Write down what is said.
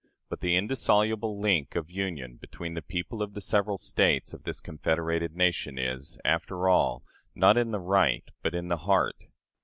But the indissoluble link of union between the people of the several States of this confederated nation is, after all, not in the RIGHT, but in the HEART.